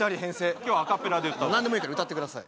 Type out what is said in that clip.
今日はアカペラで歌うわ何でもいいから歌ってください